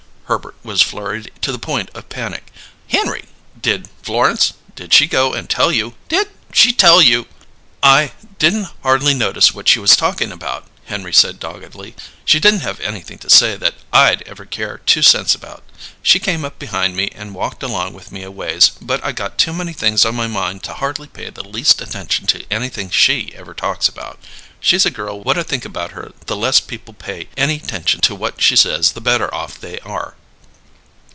Herbert was flurried to the point of panic. "Henry did Florence did she go and tell you did she tell you ?" "I didn't hardly notice what she was talkin' about," Henry said doggedly. "She didn't have anything to say that I'd ever care two cents about. She came up behind me and walked along with me a ways, but I got too many things on my mind to hardly pay the least attention to anything she ever talks about. She's a girl what I think about her the less people pay any 'tention to what she says the better off they are."